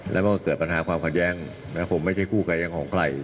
แล้วก็เกิดปัญหาความขัดแย้งผมไม่ใช่คู่กายแย้งของใคร